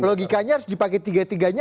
logikanya harus dipakai tiga tiganya